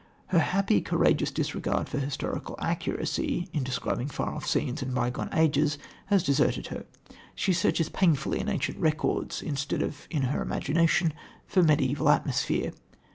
Her happy, courageous disregard for historical accuracy in describing far off scenes and bygone ages has deserted her. She searches painfully in ancient records, instead of in her imagination, for mediaeval atmosphere.